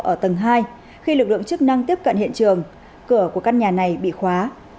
ở tầng hai khi lực lượng chức năng tiếp cận hiện trường cửa của căn nhà này bị khóa